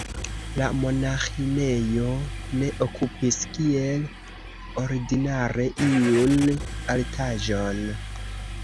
La monaĥinejo ne okupis, kiel ordinare, iun altaĵon.